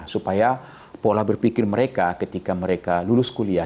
supaya pola berpikir mereka ketika mereka lulus kuliah